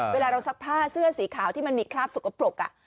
เวลาเราซักผ้าเสื้อสีขาวที่มันมีคราบสกปรก